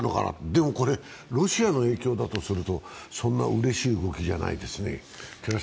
でもこれロシアの影響だとするとそんなうれしい動きじゃないですね。